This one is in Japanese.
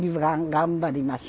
頑張ります。